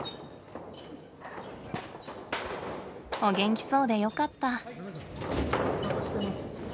お元気そうでよかった。